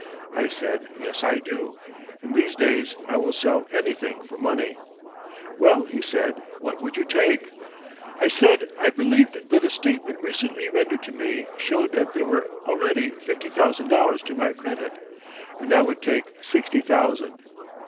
I said: "Yes, I do. In these days I will sell anything for money." "Well," he said, "what would you take?" I said I believed that a statement recently rendered to me showed that there were already fifty thousand dollars to my credit, and I would take sixty thousand.